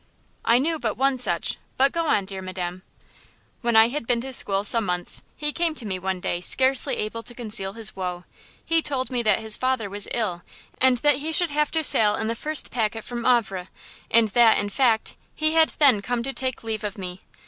"I knew but one such; but go on, dear Madam." "When I had been to school some months he came to me one day scarcely able to conceal his woe. He told me that his father was ill and that he should have to sail in the first packet from Havre, and that, in fact, he had then come to take leave of me.